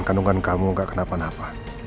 kandungan kamu gak kenapa napa